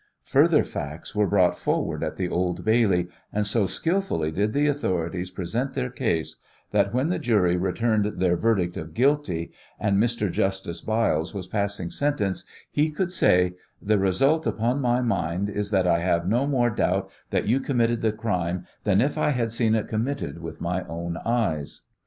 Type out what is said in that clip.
Further facts were brought forward at the Old Bailey, and so skilfully did the authorities present their case that when the jury returned their verdict of guilty, and Mr. Justice Byles was passing sentence, he could say: "The result upon my mind is that I have no more doubt that you committed the crime than if I had seen it committed with my own eyes."